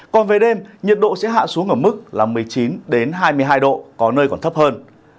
còn về đêm nhiệt độ sẽ hạ xuống ở mức một mươi chín hai mươi hai độ có nơi còn thấp hơn